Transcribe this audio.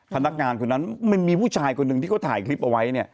พนักงานคนนั้นมันมีผู้ชายคนหนึ่งที่เขาถ่ายคลิปเอาไว้เนี่ย